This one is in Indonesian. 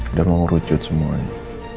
udah mau rujut semuanya